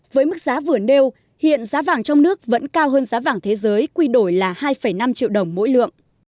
với mức giá vừa nêu hiện giá vàng trong nước vẫn cao hơn giá vàng thế giới quy đổi là hai năm triệu đồng mỗi lượng